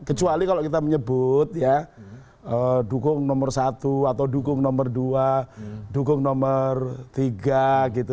kecuali kalau kita menyebut ya dukung nomor satu atau dukung nomor dua dukung nomor tiga gitu